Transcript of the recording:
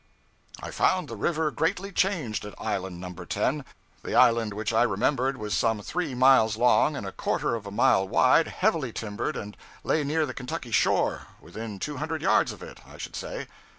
I found the river greatly changed at Island No. 10. The island which I remembered was some three miles long and a quarter of a mile wide, heavily timbered, and lay near the Kentucky shore within two hundred yards of it, I should say.